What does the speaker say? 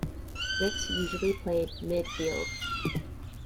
Rix usually played midfield.